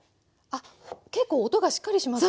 結構音がしっかりしますよ。